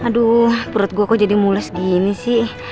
aduuuh perut gua kok jadi mulus gini sih